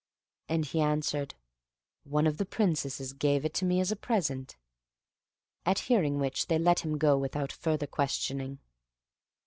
And he answered, "One of the Princesses gave it to me as a present." At hearing which they let him go without further questioning.